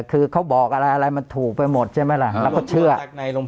คือเขาบอกอะไรอะไรมันถูกไปหมดใช่ไหมล่ะแล้วก็เชื่อจากไหนหลวงพ่อ